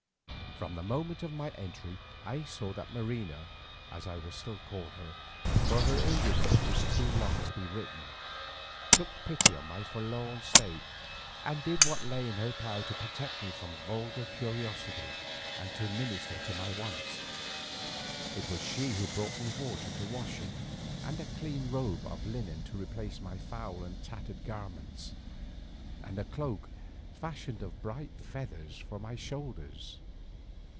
From the moment of my entry I saw that Marina, as I will call her, for her Indian name is too long to be written, took pity on my forlorn state, and did what lay in her power to protect me from vulgar curiosity and to minister to my wants. It was she who brought me water to wash in, and a clean robe of linen to replace my foul and tattered garments, and a cloak fashioned of bright feathers for my shoulders.